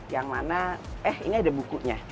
yang mana eh ini ada bukunya